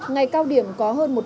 ngày cao điểm có hơn